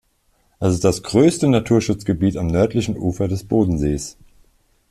Es ist das größte Naturschutzgebiet am nördlichen Ufer des Bodensees.